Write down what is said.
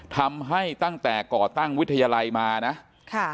ทำให้ตั้งแต่ก่อตั้งวิทยาลัยมานะค่ะ